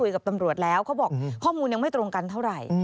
เขาบอกข้อมูลยังไม่ตรงกันเท่าไหร่